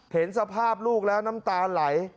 เห็นสภาพลูกแล้วน้ำตาไหล